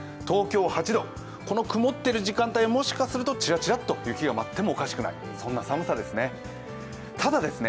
東京８度、この曇っている時間帯もしかするとちらちらっと雪が舞ってもおかしくない、そんな寒さですね。